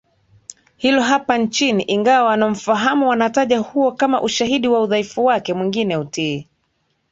hilo hapa nchini ingawa wanaomfahamu wanataja huo kama ushahidi wa udhaifu wake mwingine utii